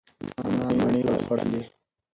ما مڼې وخوړلې.